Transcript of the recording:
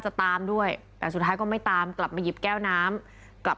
จะตามด้วยแต่สุดท้ายก็ไม่ตามกลับมาหยิบแก้วน้ำกลับ